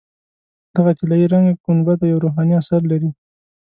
دغه طلایي رنګه ګنبده یو روحاني اثر لري.